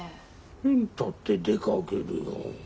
変ったって出かけるよ。